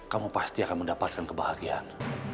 kamu pasti akan mendapatkan kebahagiaan